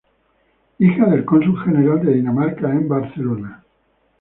Hija del cónsul general de Dinamarca en Barcelona.